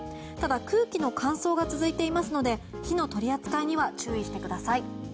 ただ、空気の乾燥が続いていますので火の取り扱いには注意してください。